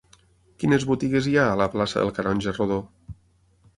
Quines botigues hi ha a la plaça del Canonge Rodó?